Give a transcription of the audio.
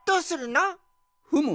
ふむ。